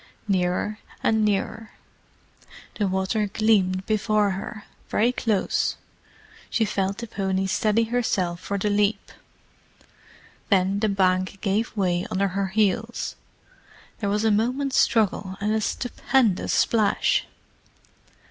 Nearer and nearer. The water gleamed before her, very close: she felt the pony steady herself for the leap. Then the bank gave way under her heels: there was a moment's struggle and a stupendous splash.